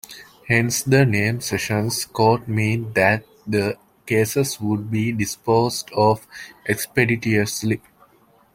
Hence the name 'Sessions Court' meant that the cases would be disposed off expeditiously.